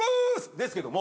ですけども。